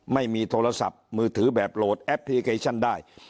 ไม่มีโทรศัพท์มือถือแบบโหลดแอปเป๋าตังค์ได้